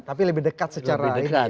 tapi lebih dekat secara ini ya